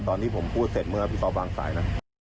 ตอนนี้ผมพูดเสร็จเมื่อพี่เขาวางสายนะ